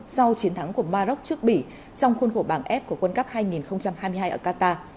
sau chiến thắng của maroc trước bỉ trong khuôn khổ bảng f của quân cấp hai nghìn hai mươi hai ở qatar